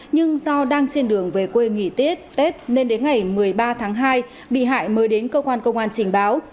nhưng do đang trên đường về quê nghỉ tết nên đến ngày một mươi ba tháng hai bị hại mới đến cơ quan công an trình báo